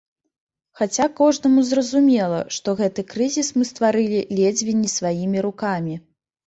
Хаця кожнаму зразумела, што гэты крызіс мы стварылі ледзьве не сваімі рукамі.